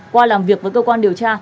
qua làm việc với cơ quan điều tra